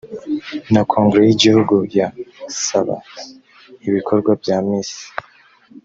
na kongere y igihugu ya saab ibikorwa bya misi